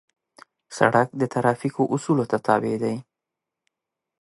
سړک د ترافیکو اصولو ته تابع دی.